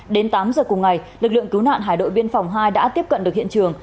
đến tám giờ cùng ngày lực lượng cứu nạn hải đội biên phòng hai đã tiếp cận được hiện trường